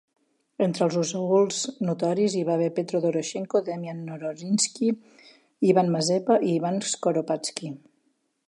Entre els osauls notoris hi va haver Petro Doroshenko, Demian Mnohohrishny, Ivan Mazepa i Ivan Skoropadsky.